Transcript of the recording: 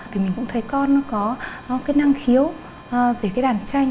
thì mình cũng thấy con nó có cái năng khiếu về cái đàn tranh